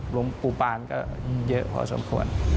หลวงปู่ปานก็เยอะพอสมควร